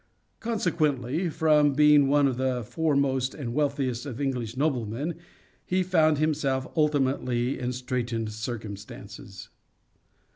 Consequently, from being one of the foremost and wealthiest of English noblemen he found himself ultimately in straitened circumstances.